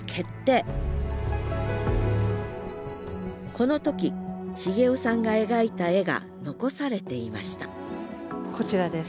この時茂男さんが描いた絵が残されていましたこちらです。